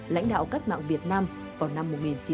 lãnh đạo cách mạng việt nam vào năm một nghìn chín trăm bốn mươi năm